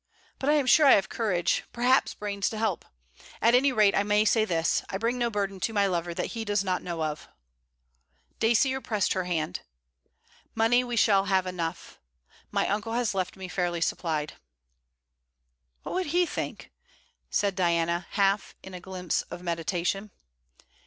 But I am sure I have courage, perhaps brains to help. At any rate, I may say this: I bring no burden to my lover that he does not know of.' Dacier pressed her hand. 'Money we shall have enough. My uncle has left me fairly supplied.' 'What would he think?' said Diana, half in a glimpse of meditation.